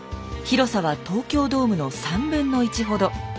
広さは東京ドームの３分の１ほど。